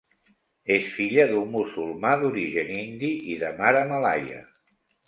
És filla d'un musulmà d'origen indi i de mare malaia.